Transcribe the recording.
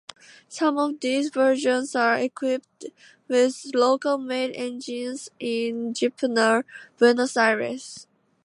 Some of these versions are equipped with local-made engines in Jeppener, Buenos Aires.